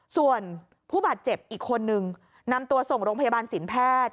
ส่วนผู้บาดเจ็บอีกคนนึงนำตัวส่งโรงพยาบาลสินแพทย์